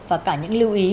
và cả những lưu ý